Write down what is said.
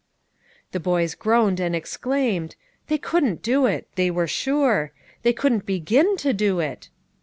The boys groaned, and exclaimed, "They couldn't do it, they were sure; they couldn't begin to do it!"